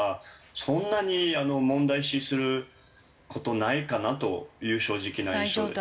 そんなに問題視する事ないかなという正直な印象です。